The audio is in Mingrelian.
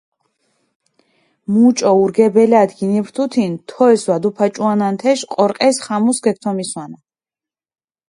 მუჭო ურგებელათ გინიფრთუთინ, თოლს ვადუფაჭუანან თეშ, ყორყელს ხამუს ქეგთომისვანა.